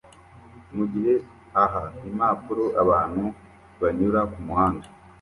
mugihe aha impapuro abantu banyura kumuhanda